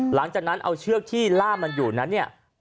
หลังจากนั้นเอาเชือกที่ล่ามันอยู่นั้นเนี่ย